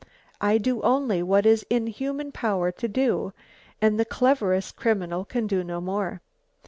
I do only what is in human power to do, and the cleverest criminal can do no more.